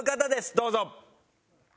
どうぞ。